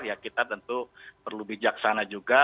ya kita tentu perlu bijaksana juga